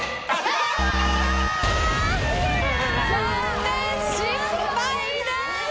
残念、失敗です！